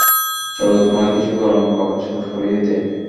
চলো, তোমাকে কিছু গরম কাপড়চোপড় পরিয়ে দেই!